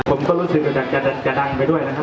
ผมก็รู้สึกจะดังไปด้วยนะครับ